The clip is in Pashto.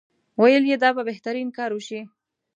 ویل یې دا به بهترین کار وشي.